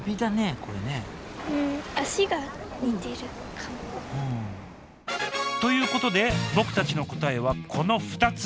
これねということで僕たちの答えはこの２つ。